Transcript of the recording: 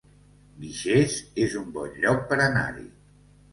Guixers es un bon lloc per anar-hi